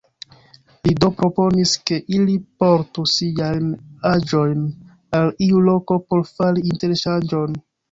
Li do proponis, ke ili portu siajn aĵojn al iu loko por fari interŝanĝon.